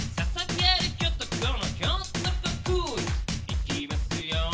「いきますよ